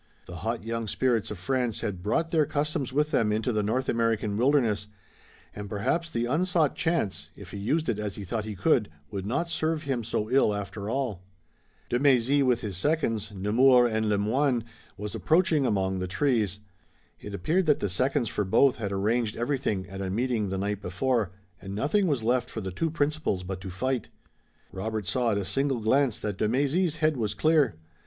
The hot young spirits of France had brought their customs with them into the North American wilderness, and perhaps the unsought chance, if he used it as he thought he could, would not serve him so ill after all. De Mézy, with his seconds, Nemours and Le Moyne, was approaching among the trees. It appeared that the seconds for both had arranged everything at a meeting the night before, and nothing was left for the two principals but to fight. Robert saw at a single glance that de Mézy's head was clear.